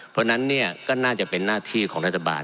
เพราะฉะนั้นเนี่ยก็น่าจะเป็นหน้าที่ของรัฐบาล